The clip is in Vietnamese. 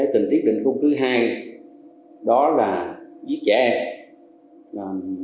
tình tiết định khung thứ hai đó là giết trẻ